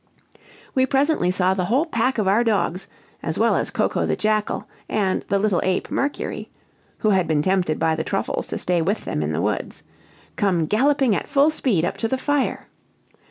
We presently saw the whole pack of our dogs, as well as Coco, the jackal, and the little ape, Mercury (who had been tempted by the truffles to stay with them in the woods), come galloping at full speed up to the fire.